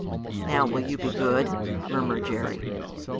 "Now will you be good?" murmured Jerry.